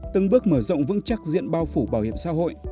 từng bước mở rộng vững chắc diện bao phủ bảo hiểm xã hội